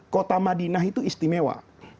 kota madinah itu istimewa